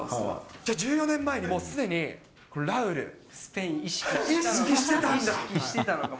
じゃあ、１４年前にもうすでスペイン、意識してたのかも。